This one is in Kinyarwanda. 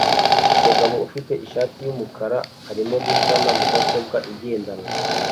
Umugabo ufite ishati yumukara arimo gusana mudasobwa igendanwa